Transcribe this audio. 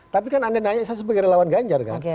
tapi kan anda nanya saya sebagai relawan ganjar kan